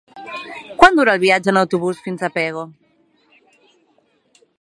Quant dura el viatge en autobús fins a Pego?